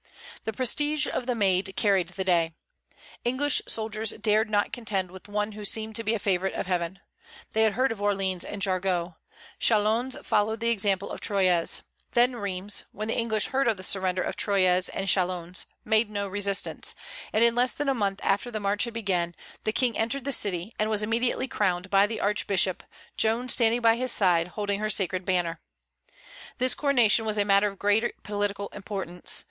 The prestige of the Maid carried the day. The English soldiers dared not contend with one who seemed to be a favorite of Heaven. They had heard of Orleans and Jargeau. Chalons followed the example of Troyes. Then Rheims, when the English learned of the surrender of Troyes and Chalons, made no resistance; and in less than a month after the march had begun, the King entered the city, and was immediately crowned by the Archbishop, Joan standing by his side holding her sacred banner. This coronation was a matter of great political importance.